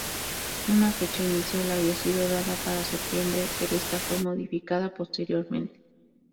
Una fecha inicial había sido dada para septiembre, pero esta fue modificada posteriormente.